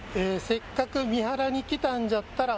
「せっかく三原に来たんじゃったら」